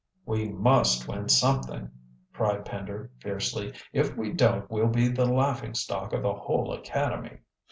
"We must win something," cried Pender fiercely. "If we don't we'll be the laughing stock of the whole academy."